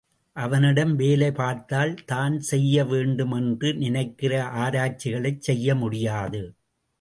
அவனிடம் வேலை பார்த்தால், தான் செய்ய வேண்டுமென்று நினைக்கிற ஆராய்ச்சிகளைச் செய்ய முடியாது.